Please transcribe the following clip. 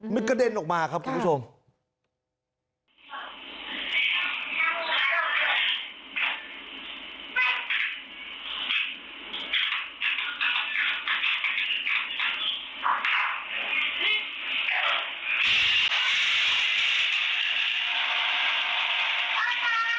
มันกระเด็นออกมาครับคุณผู้ชม